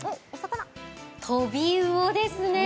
トビウオですね。